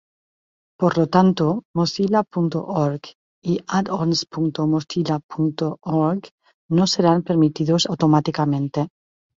Por lo tanto, mozilla.org y addons.mozilla.org no serán permitidos automáticamente.